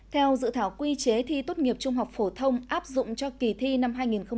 theo dự thảo quy chế thi tốt nghiệp trung học phổ thông áp dụng cho kỳ thi năm hai nghìn hai mươi